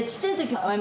はい。